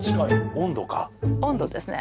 温度ですね。